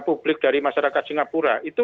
publik dari masyarakat singapura itu